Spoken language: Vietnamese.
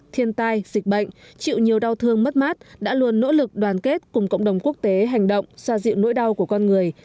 thiên tai dịch bệnh chịu nhiều đau thương mất mát đã luôn nỗ lực đoàn kết cùng cộng đồng quốc tế hành động xoa dịu nỗi đau của con người